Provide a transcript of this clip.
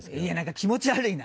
気持ち悪いな。